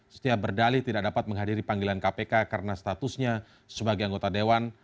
setia berdalih tidak dapat menghadiri panggilan kpk karena statusnya sebagai anggota dewan